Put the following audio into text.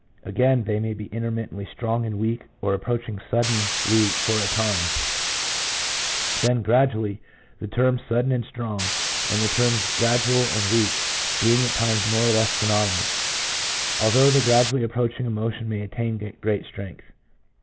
Again, they may be intermittently strong and weak, or approaching suddenly for a time, then gradually; the terms sudden and strong, and the terms gradual and weak being at times more or less synonymous; although the gradually approaching emotion may attain great strength.